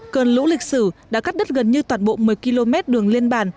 cơn lũ lịch sử đã cắt đất gần như toàn bộ một mươi km đường liên bản